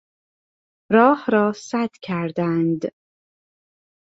راه را سد کردند.